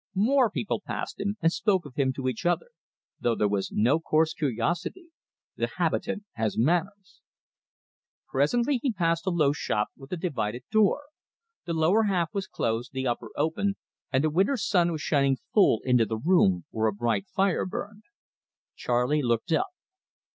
More people passed him, and spoke of him to each other, though there was no coarse curiosity the habitant has manners. Presently he passed a low shop with a divided door. The lower half was closed, the upper open, and the winter sun was shining full into the room, where a bright fire burned. Charley looked up.